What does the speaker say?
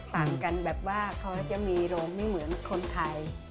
ต่างกันแบบว่าเขาจะมีโรงไม่เหมือนคนไทย